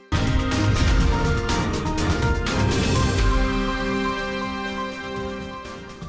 jadi sekarang ini saya ingin menjelaskan tentang pertanyaan ini